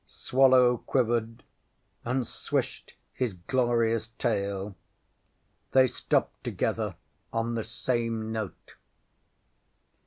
Swallow quivered and swished his glorious tail. They stopped together on the same note.